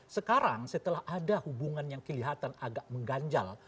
sekarang setelah ada hubungan yang kelihatan agak mengganjal